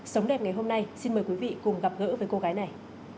sống đẹp ngày hôm nay xin mời quý vị cùng gặp gỡ với cô gái này